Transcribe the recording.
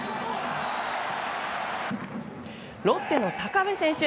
ロッテの高部選手。